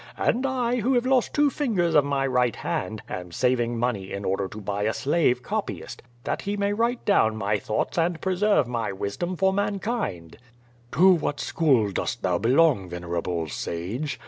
And I, who have lost two fingers of my right hand, am saving money in order to buy a slave copyist, that he may write down my thoughts and preserve my wisdom for mankind." "To what school dost thou belong, venerable sage?"